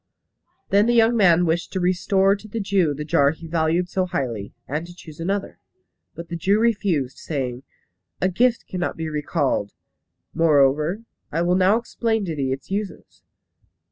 Then the young man wished to restore to the Jew the jar he valued so highly, and to choose another. But the Jew refused, saying, "A gift cannot be recalled. Moreover, I will now explain to thee its uses.